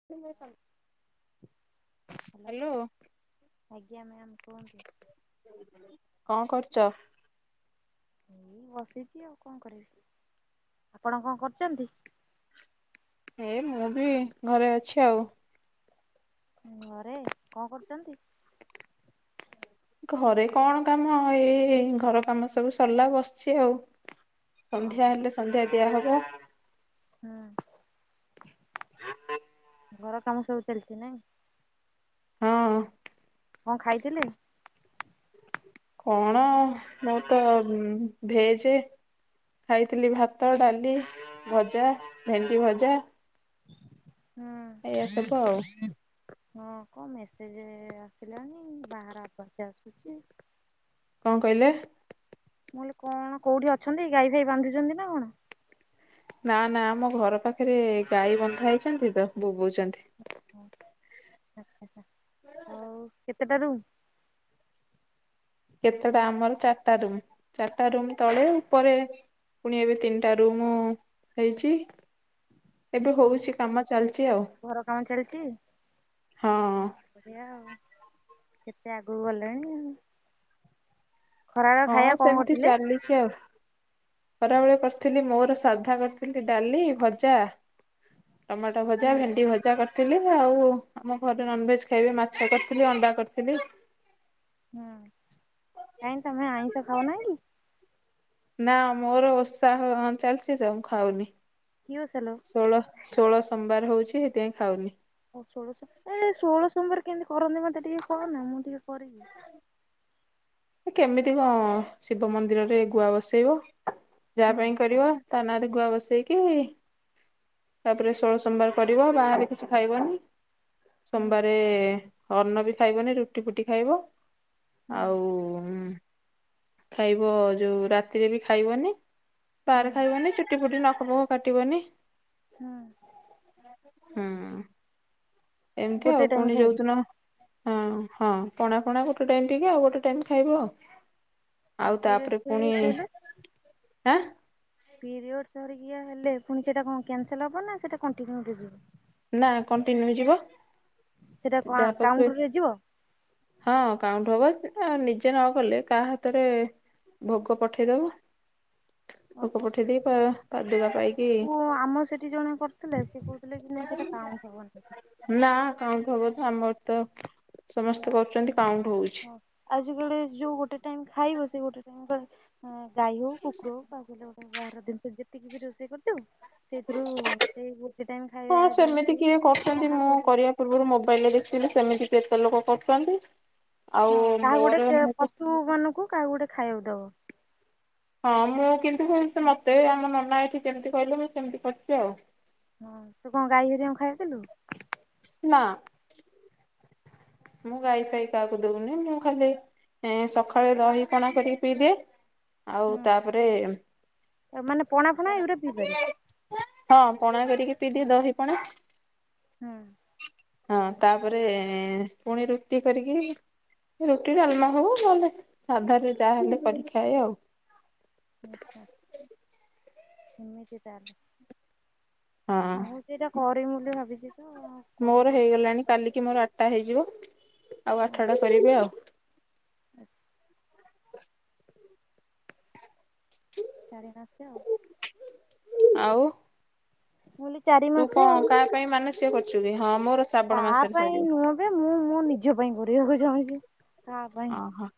[inaudible] Hello ଆଜ୍ଞା ma'am କୁହନ୍ତୁ। କଣ କରୁଛ? ଏଇ ବସିଛି ଆଉ କଣ କରିବି ଆପଣ କଣ କରୁଛନ୍ତି? ଏ ମୁଁ ବି ଘରେ ଅଛି ଆଉ। ଘରେ କଣ କରୁଛନ୍ତି? ଘରେ କଣ କାମ ଏଇ ଘର କାମ ସବୁ ସରିଲା ବସିଛି ଆଉ। ସନ୍ଧ୍ୟା ଓହୋ ହେଲେ ସନ୍ଧ୍ୟା ଦିଆ ହବ। ହୁଁ। [inaudible] ଘର କାମ ସବୁ ଚାଲିଛି ନାଇଁ ହଁ। କଣ ଖାଇଥିଲେ? କଣ ମୁ ତ ଭେଜ ଖାଇଥିଲି ଭାତ ଡାଲି ଭଜା ଭେଣ୍ଡି ଭଜା ହୁଁ ଏଇଆ ସବୁ ଆଉ ହଁ କଣ ମେସେଜ ଆସିଲାଣି ବାହାର ଆପର୍ତି ଆସୁଛି। କଣ କହିଲେ? ମୁଁ କହିଲି କଣ କୋଉଠି ଅଛନ୍ତି ଗାଈ ଭାଇ ବାନ୍ଧୁଛନ୍ତି ନା କଣ? ନା ନା ଆମ ଘର ପାଖରେ ଗାଈ ବନ୍ଧା ହେଇଛନ୍ତି ତ ବୋବୁଛନ୍ତି। [unintelligible] କେତେଟା ରୁମ୍। କେତେଟା ଆମର ଚାରିଟା ରୁମ ଚାରିଟା ରୁମ ତଳେ ଉପରେ ପୁଣି ଏବେ ତିନିଟା ରୁ ମୁଁ ହେଇଛି। ଏବେ କୋଉଠି ହଉଛି କାମ ଚାଲିଛି ଆଉ ଘର କାମ ଚାଲିଛି ହଁ ହ ବଢ଼ିଆ ଆଉ କେତେ ଆଗକୁ ଗଲେଣି ଆ ଖରାବେ ହଁ ଖାଇବା କଣ କରୁଥିଲେ? [unintelligible] ଖରାବେଳେଆ କରିଥିଲି ମୋର ସାଧା କରିଥିଲି ଡାଲି ଭଜା। ଟମାଟୋ ଭଜା ହୁଁ ଭେଣ୍ଡି ଭଜା କରିଥିଲି। ଥିଲି ଆଉ ଆମ ଘରେ ନନଭେଜ ଖାଇବି ମାଛ କରିଥିଲି ଅଣ୍ଡା କରିଥିଲି। ହୁଁ କାହିଁକି ତମେ ଆଇଁଷ ଖାଉନାହିଁ କି। ନା ମୋର ଓସାହ ହ ଚାଲିଛି ତ ମୁଁ ଖାଉନି। କି ଓଷା ଲୋ। ଷୋଳ ଷୋଳ ସୋଵାର ହଉଛି ସେଥିପାଇଁ ଖାଉନି। ହଉ ଷୋଳଶହ ଏ ଷୋହଳଶ ସମମୟରେ କେମିତି କରନ୍ତି ମତେ ଟିକେ କରନା ମୁଁ ଟିକେ କରିବି। କେମିତି କଣ ଶିବ ମନ୍ଦିରରେ ଗୁଆ ବସେଇବ ଯାହା ହୁଁ ପାଇଁ କରିବ? ତାନାଁରେ ରେ ଗୁଆ ବସେଇକି ତାପରେ ଷୋଳ ସୋମବାର କରିବ ବାହରେ କିଛି ଖାଇବନି। ହୁଁ ସୋମବାରେ ଅନ୍ଣ ବି ଖାଇବନି ରୁଟି ଫୁଟି ଖାଇବ ହୁଁ ଆଉ ହୁଁ ଖାଇବ ଯୋଉ ରାତିରେ ବି ଖାଇବନି ହୁଁ ବାହାରେ ଖାଇବନି ଚୁ ଚୁଟି ଫୁଟି ନଖପଖ କାଟିବନି। ହଁ। ହୁଁ ଏମିତି ଗୋଟେ ଆଉ ଟାଇମ ପୁଣି ଖାଇବି। ଯୋଉଦିନ ହଁ ହଁ ପଣା ପଣା ଗୋଟେ ଟାଇମ ଟିକେ ଆଉ ଗୋଟେ ଟାଇମ ଖାଇବ ଆଉ ହଁ ଆଉ ପିରିୟଡସ୍ ତାପରେ ପୁଣି ଫିରିୟଡସ୍ ଆଁ ପିରିୟଡ଼ ଧରିକି ହେଲେ ପୁଣି ସେଟା କଣ କ୍ୟାନସଲ ହବ ନା ସେଇଟା କଣ୍ଟିୁନିୟୁ ଯିବା। ନା କଣ୍ଟିନ୍ୟୁ ହେଇଯିବ ସେଇଟା କଣ ଯାହା ପାଖ କାଉଣ୍ଟରେ ଯିବ ହଁ କାଉଁଠୁ ହବ ଆ ନିଜେ ନଗଲେ କାହା ହାତରେ ଭୋଗ ପଠେଇଦବ ଭୋକ ଓହୋ। ପଠେଇ ଦେଇେଇ ପାଦୁକା ପାଇକି କୁ ଆମ ସେଠି ଜଣେ କରିୁଥିଲେ ସେ କହୁଥିଲେ କି ନାଇଁ ସେଇଟା କାଉଣ୍ଟ ହବନି। ନା କାଉଟ ହବନ ଆମର ତ ସମସ୍ତେ କରୁଛନ୍ତି କାଉଟ ହଉଛି। ଆଜି କାଲି ଯୋଉ ଗୋଟେ ଟାଇମ ଖାଇବ ସେ ଗୋଟେ ଟାଇ ଖ ହ ଗାଈ ହଉ କୁକୁର ହଉ କହାହିଲ ଗୋଟେ ଦିନ ଯେତିକି ବି ରୋଷେଇ କରିଦଉ ସେଇଥିରୁ ସେଇ ଗୋଟେ ଟାଇମ ଖାଇବା ହଁ ସେମିତି ଯୋଗରୁ କିଏ କରୁଛନ୍ତି ମୁଁ କାହାକୁ ବି କରିବା ପୂର୍ବରୁ ମୋବାଇଲରେ ଦେଖିଥିଲି ସେମିତି କେତେ ଲୋକ କରୁଚନ୍ତି? ହଁ କାହାକୁ ଗୋଟେ କେ ପଶୁ ମାନଙ୍କୁ କାହାକୁ ଗୋଟେ ଖାଇବାକୁ ଦବ। ହଁ ମୁଁ କିନ୍ତୁ ମୋତେ ଆମ ନନା ଏଇଠି ଯେମିତି କହିଲେ ମୁଁ ସେମିତି କରିିଚି ଆଉ। ହଁ ତୁ କଣ ଗାଈ ହରିକାଙ୍କୁ ଖାଇବାକୁ ଦେଲୁ? ନା ମୁଁ ଗାଈ ଫାଇ କାହାକୁ ଦଉନି ମୁଁ ଖାଲି ଏ ସକାଳେ ଦହି ପଣା କରିକି ପିଇଦିଏ ଆଉ ହୁଁ ତାପରେ ମାନେ ପଣା ଫଣା ଏଗୁରା ପିଇ ପାରିବୁ ହଁ ପଣା କରିକି ପିଇ ଦିଏ ଦହି ପଣା ହୁଁ ହଁ ତାପରେ ପୁଣି ରୁଟି କରିକି ରୁଟି ଡାଲମା ହଉ ନହେଲେ ସାଧାରେ ଯାହା ହେଲେ କରିକି ଖାଏ ଆଉ। ଆଚ୍ଛା! ଏମିତି ତାହେଲେ? ହଁ। ମୁଁ ସେଇଟା କରିବି ବୋଲି ଭାବିଚି ତ କରିବି ମୋର କରିବି ହେଇଗଲାଣି କାଲିକି ମୋର ଆଠଟା ହେଇଯିବ ଆଉ ଓହୋ ଆଠଟା କରିବି ଆଉ। [inaudible] ସାଢ଼େ [unintelligible] ଆଉ। ଆଉ ମୁଲେ ଚାରି ତୁ କା ମାସେ ଆଉ କା ସାଙ୍ଗେ ମାନେ [unintelligible] ହଁ ମୋର ଶ୍ରାବଣ ତା ମାସରେ ପାଇଁ ସରିବ ନୁହଁ ବେ ମୁଁ ମୋ ନିଜ ପାଇଁ କରିବାକୁ ଚାହୁଁଚି। ଓହୋ!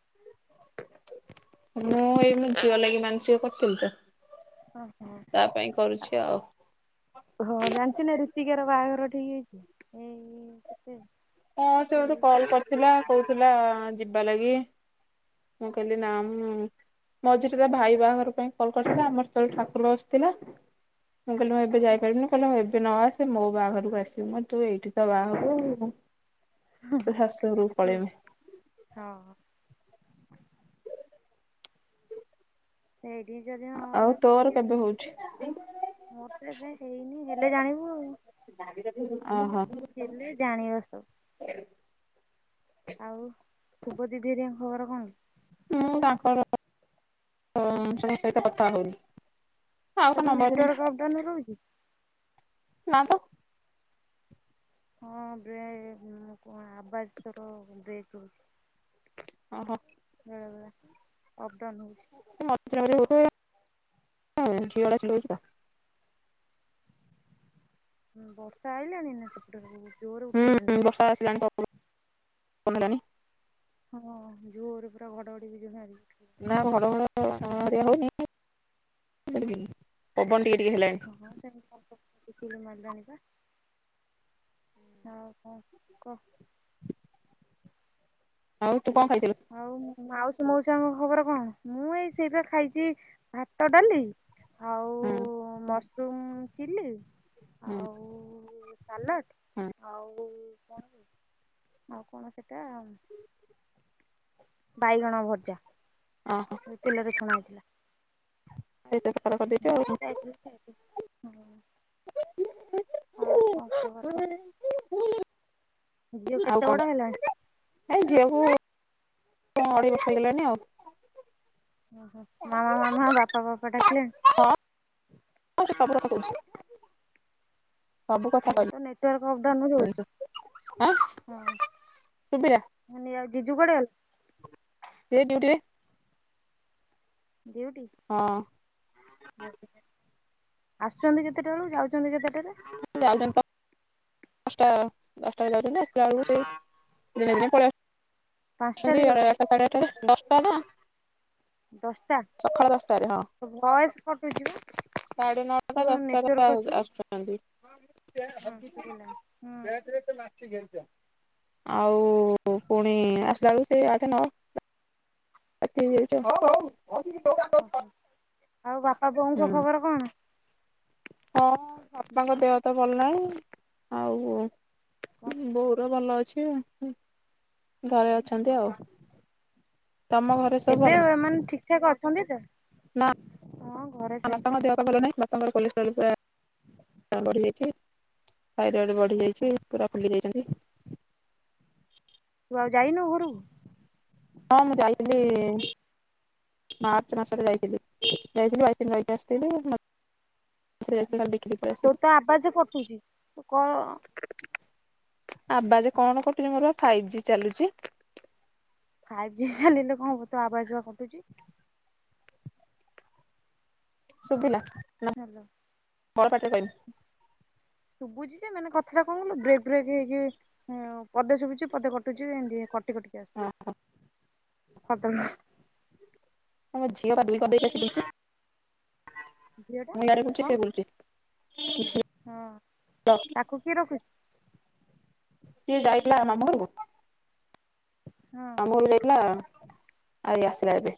ମୁଁ ଏଇ ମୋ ଝିଅ ଲାଗି ମାନସିକ କହିଥିଲି ତ ଓ ହୋ! ତା ପାଇଁ କରୁଛି ଆଉ। ହଁ ଜାଣିଚୁ ନା ରୀତିକାର ବାହାଘର ଠିକ୍ ହେଇଚି ଏଇ କେତେରେ? ହଁ ସେ ମତେ କଲ୍ କରିଥିଲା କହୁଥିଲା ଆଁ ଯିବା ଲାଗି। ମୁଁ କହିଲି ନାଁ ମୁଁ ମଝିରେ ତା ଭାଇ ବାହାଘର ପାଇଁ କଲ୍ କରିଥିଲା ଆମର ସେତେବେଳେ ଠାକୁର ବସିଥିଲା ମୁଁ କହିଲି ମୁଁ ଏବେ ଯାଇପାରିବିନି କହିଲା ଏବେ ନ ଆସେ ମୋ ବାହାଘରକୁ ଆସିବୁ ମୁଁ କହିଲି ତୁ ଏଇଠି ତ ବାହାହବୁ ଆଉ। ତୋ ଶାଶୁ ଘରକୁ ପଳେଇବୁ। ହଁ ସେଇଠି ଯଦି ହଁ ଆଉ ହେଲା ତୋର ଦେଖିବା କେବେ କଣ? ହଉଛି ମୋର ତ ଏବେ ହେଇନି ହେଲେ ଜାଣିବୁ ଆଉ। [unintelligible] ହେଲେ ଜାଣିବ ସବୁ। ଆଉ ଶୁଭଦିଦି ହରିକାଙ୍କ ଖବର କଣ? ମୁଁ ତାଙ୍କ ସହିତ କଥା ହଉନି। ଆଉ ତା ତାର ନମ୍ବର ନେଟୱାର୍କ ଅପ୍ ଡାଉନ ରହୁଚି ନାଁ ତ। ହଁ ବେ ଉଁ କଣ ଆବାଜ ତାର ବ୍ରେକ୍ ହଉଚି। ଓହୋ! ବେଳେ ବେଳେ ଅପ୍ ଡାଉନ ହଉଚି। [unintelligible] ହଁ ବର୍ଷା ଆଇିଲାଣି ନା ସେପଟରେ ଜୋର ଉଠେଇଲାଣି ହୁଁ ତ। [unintelligible] ହଁ ଜୋରରେ ପୁରା ଘଡଘଡି ବିଜୁଳି [unintelligible] ନାଁ ଘଡ ଘଡ ଭଳିଆ ହଉନି ଫିରବି ପବନ ଟିକେ ଟିକେ ହେଲାଣି। ହଁ ସେମତି ବିଜୁଳି ମାରିଲାଣିବା। ଆଉ କଣ କ। ଆଉ ତୁ କଣ ଖାଇଥିଲୁ? ଆଉ ମାଉସୀ ମଉସଆଙ୍କ ଖବର କଣ? ମୁଁ ଏଇ ସିଜା ଖାଇଚି। ଭାତ, ଡାଲି ଆଉ ହୁଁ। ମୋ ମସରୁମ ଚିଲି। ହୁଁ। ଆଉ ସାଲାଟ ହୁଁ ଆଉ କଣ ଆଉ କଣ ସେଟା ବାଇଗଣ ଭଜା ଓହୋ ଯୋଉ ତେଲରେ ଛଣା ହେଇଥିଲା। [inaudible] ଯାଇଥିଲି ଖାଇଥିଲି। ଆଉ କଣ ଖବର କୁହ। ଆଉ। ଆଉ କେତେ ବଡ କଣ ହେଲାଣି? ଏ ଝିଅକୁ ଅଢେଇ ବର୍ଷ ହେଇ ଗଲାଣିି ଆଉ। ଓହୋ ମାମା ମାମା ବାପା ବାପା ଡାକିଲାଣି। ଆଉ ସେ ସବୁ କଥା କହୁଚି। ତୋର ତ ନେଟୱାର୍କ ପ୍ରୋବ୍ଲେମ କହିଲି ଆଁ। ହଉଛି ସୁବିଲା ହଁ। ନାନୀ ଆଉ ଜିଜୁ କୁଆଡେ ଗଲେ? ସେ ଡଉଟିରେ। ଡଉଟି। ହଁ। ଆସୁଚନ୍ତି କେତେଟା ବେଳୁ ଯାଉଚନ୍ତି କେତେଟାରେ? [inaudible] ଦଶଟା ଦଶଟା ରେ ଯାଉଛନ୍ତି ଆସିଲା ବେଳକୁ ସେଇ, ଦିନେ ଦିନେ ପଲେଇ ଅସୁଛନ୍ତି। [inaudible] ସାଢେ ପାଞ୍ଚଟାରେ ଯାଉଛନ୍ତି ଆଠଟାରେ [inaudible] ଦଶଟା, ସକାଳ ଦଶଟାରେ ହଁ। ତୋ ଭଏସ କଟୁଛି ବା। ସାଢେ ତୁ ନଅଟା ଦଶଟା ନେଟୱାର୍କ ବେଳକୁ ଆସୁନୁ। ଆସୁଛନ୍ତି। [inaudible] ହଁ ଶୁଭିଲା ହୁଁ ଆଉ ପୁଣି ଆସିଲା ବେଳକୁ ସେଇ ଆଠେ ନଅ। [inaudible] ଓହୋ ଆଉ ବାପା ବୋଉଙ୍କ ଖବର କଣ? ହଁ ମୋ ବାପାଙ୍କ ଦେହ ତ ଭଲ ନାଇଁ ହଉ ଆଉ। ବୋଉର ଭଲ ଅଛି ଘରେ ଅଛନ୍ତି ଆଉ। ତମ ଘରେ ସବୁ ଏବେ ଭଲ ନା ମାନେ ଠିକ ଠାକ ଅଛନ୍ତି ତ? ନା ହଁ ଘରେ [inaudible] ସେମିତି ବାପାଙ୍କ କଲେଷ୍ଟ୍ରୋଲ ପୂରା ବଢିଯାଇଛି। ଥାଇରଏଡ ଓହୋ ବଢିଯାଇଛି ପୁରା ଫୁଲି ଯାଇଛନ୍ତି। ତୁ ଆଉ ଯାଇନୁ ଘରକୁ? ହଁ ମୁଁ ଯାଇଥିଲି ମାର୍ଚ୍ଚ ମାସରେ ଯାଇଥିଲି ଯାଇଥିଲି ବାଇସି ଦିନ ରହିକି ଆସିଥିଲି। [inaudible] ତୋର ତ ଆବାଜ କଟୁଚି ତୁ କଣ। ଆବାଜ କଣ କଟୁଚି ମୋର ବା ଫାଇଭ୍ ଜି ଚାଲୁଚି। ଫାଇଭ୍ ଜି ଚାଲିଲେ କଣ ହବ ତୋ ଆବାଜ ପା କଟୁଚି। ଶୁଭିଲା ନାଁ। ହାଲୋ। ବଡ ପାଟିରେ କହିବୁ। ଶୁଭୁଚି ଯେ ମାନେ କଥା କହୁନୁ ବ୍ରେକ୍ ବ୍ରେକ୍ ହେଇକି ପଦେ ଶୁଭୁଚି ପଦେ କଟୁଚି ଏମିତି କଟ୍। ଗୋଟିକିଆ ହଁ କରଦଉନୁ। ଆମ ଝିଅ ବାଲି କରିଦେଇଚି ଆସିକି ଝିଅଟା ଏଇଠି ମୁଁ ଇଆଡେ ବୁଲୁଚି କଣ ସେ ବୁଲୁଚି। ହଁ ତାକୁ କିଏ ରଖୁ? ସିଏ ଯାଇଥିଲା ମାମୁଁ ଘରକୁ। ହଁ ମାମୁଁ ଘରକୁ ଯାଇଥିଲା ଆଇ ଆସିଲା ଏବେ।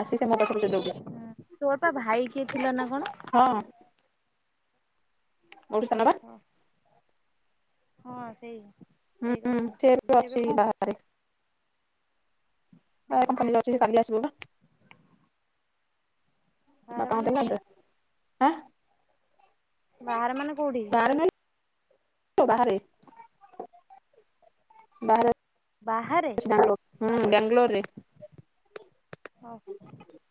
ଆସିସେ ମୋ ପାଖକୁ ଦୋଡିଚି। ହଁ। ତୋର ପା ଭାଇ କିଏ ଥିଲା ନା କଣ? ହଁ। କୋଉଠି ସାନ ଓ ବା ହଁ। ହଁ ସେଇ। ହୁଁ ସେଇ କଥା ହୁଁ ସେ ପଚାରୁଥିଲି ଏବେ ଅଛି କଣ ବାହାରେ। କରୁଛି? ଆ ଏ କମ୍ପାନୀରେ ଅଛି କୋଉ ସେ କାଲି ଆସିବ ବା। ବାହାରେ ଦରମା ମାନେ ଦେଲାଣି କୋଉଠି ତ ଆଁ। ବାହାରେ ମାନେ କୋଉଠି? ବାହାରେ ମାନେ ବାହାରେ ବାହାରେ। ବାହାରେ। ମାଲୋ ହୁଁ ବେଙ୍ଗଲୋରରେ। ହଉ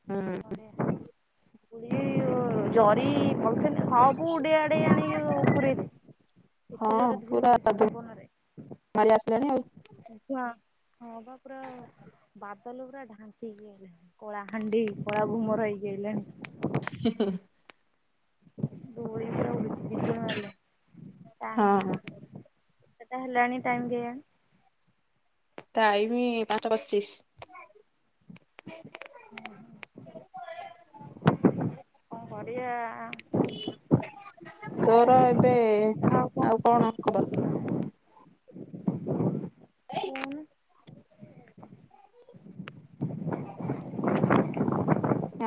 ହୁଁ ବଢିଆ ଇଏ ଓ ଜରି ପଲିଥିନ୍। ସବୁ ଉଡେଇ ଆଡେଇ ଆଣିକି ପୁରେଇ ଦେ ଏତେ ଜୋରରେ ଧୁଳି ଉଡୁଚି ପବନରେ। ଢାଳି ଆସିଲାନି ଆଉ। ଉଁଆ ହଁ ବା ପୁରା ବାଦଲ ପୁରା ଢା କଳାହାଣ୍ଡି କଳା ଭୁମର ଏଇଠି ହେଲେଣି। [inaudible] ବିଜୁଳି ମାରିଲେ ଆଉ ହଁ ତା କେତେଟା ହେଲାଣି ଟାଇମ କେୟାଣି? ଟାଇମି ପାଞ୍ଚଟା ପଚିସ୍। [inaudible] କଣ କରିବା ଆ। ତୋର ଏବେ ଆଉ କଣ ଖବର? ହେଇ [inaudible] କହୁନୁ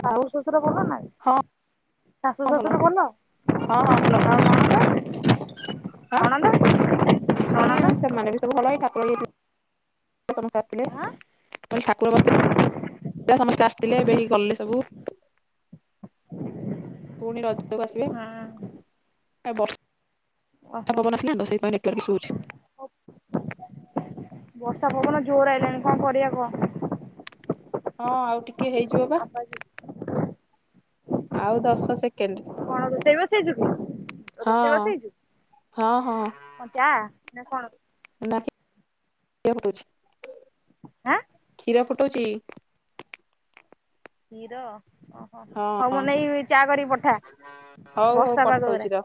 ଆଉ ଶାଶୁ ଶଶୁର ଭଲ ନା? ହଁ ଶାଶୁ ଶଶୁର ଭଲ ହଁ ହଁ ଭଲ ଆଉ ନଣନ୍ଦ? ଆଁ ନଣନ୍ଦ ହୁଁ ନଣନ୍ଦ ସେମାନେ ବି ସବୁ ଭଲ ଏ ଠାକୁର ସମସ୍ତେ ଆସିଥିଲେ। ଆଁ ହୁଁ କାଲି ଠାକୁର ବସିଥି ଲା ଏ ସମସ୍ତେ ଆସିଥିଲେ ଏବେ ହେଇ ଗଲେ ସବୁ। ପୁଣି ରଜକୁ ଆସିବେ ବର୍ଷ ଓହୋ ପବନ ଆସିଲାଣି ତ ସେଇଥିପାଇଁ। ଏ ଆରେ ଶୁବୁଚି। ବର୍ଷା ପବନ ଜୋରରେ ଆଇଲାଣି କଣ କରିବା କୁହ? ହଁ ଆଉ ଟିକେ ହେଇଯିବ ପା। ଆବାଜ ଆଉ ଦଶ ସେକ୍ କଣ ରୋଷେଇ ବସେଇଚୁ ହଁ ରୋଷେଇ ବସେଇଚୁ। ହଁ ହଁ କଁ ଚା ନା କଣ? [unintelligible] ଆଁ କ୍ଷୀର ଫୁଟୁଚି। କ୍ଷୀର ଓହୋ ହଉ ମୋ ହଁ ନାଗି ଚା କରିକି ପଠା ହଉ ହଉ ବର୍ଷା ପାଗ ରେ ପଠଉଛି ରହ।